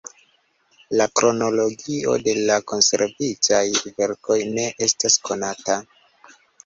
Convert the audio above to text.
La kronologio de la konservitaj verkoj ne estas konata.